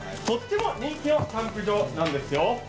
とっても人気のキャンプ場なんですよ。